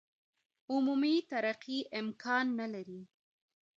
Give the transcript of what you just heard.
عمومي ترقي امکان نه لري.